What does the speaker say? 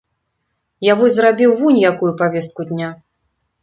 Я вось зрабіў вунь якую павестку дня.